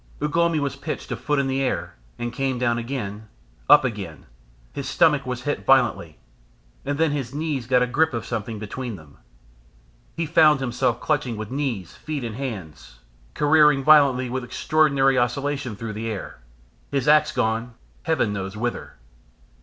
Ugh lomi was pitched a foot in the air, came down again, up again, his stomach was hit violently, and then his knees got a grip of something between them. He found himself clutching with knees, feet, and hands, careering violently with extraordinary oscillation through the air his axe gone heaven knows whither.